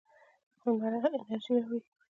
لمر انرژي راوړي.